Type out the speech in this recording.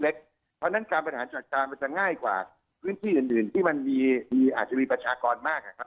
เพราะฉะนั้นการบริหารจัดการมันจะง่ายกว่าพื้นที่อื่นที่มันอาจจะมีประชากรมากนะครับ